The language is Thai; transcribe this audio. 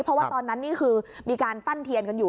เพราะว่าตอนนั้นนี่คือมีการปั้นเทียนกันอยู่